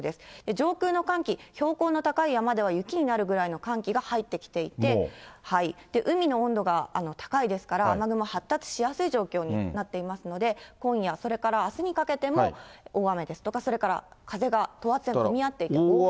上空の寒気、標高の高い山では雪になるぐらいの寒気が入ってきていて、海の温度が高いですから、雨雲発達しやすい状況になってますので、今夜、それからあすにかけても、大雨ですとか、それから風が、等圧線が混み合っている状態です。